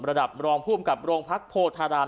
ระดับรองผู้กำกับโรงพักโพธาราม